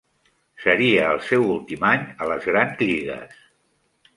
Seria el seu últim any a les grans lligues.